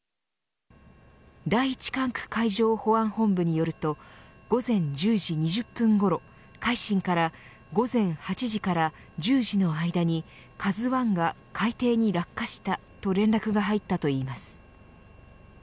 第１管区海上保安本部によると午前１０時２０分ごろ海進から午前８時から１０時の間にＫＡＺＵ１が海底に落下したと連絡が入ったといいます。